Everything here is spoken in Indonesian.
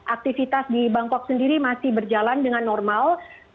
aktivitas di bangkok sendiri masih berjalan dengan normal